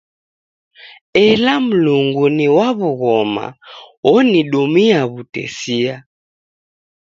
Ela Mlungu ni wa w'ughoma onidumia w'utesia.